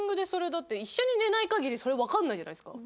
だって一緒に寝ない限りそれわかんないじゃないですか。